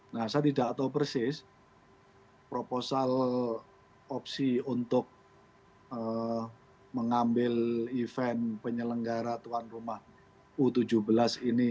nah saya tidak tahu persis proposal opsi untuk mengambil event penyelenggara tuan rumah u tujuh belas ini